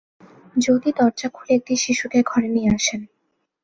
জ্যোতি দরজা খুলে একটি শিশুকে ঘরে নিয়ে আসেন।